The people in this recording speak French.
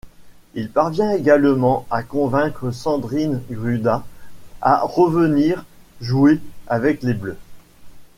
Il parvient également à convaincre Sandrine Gruda à revenir jouer avec les Bleues.